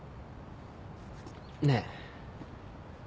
ねえ。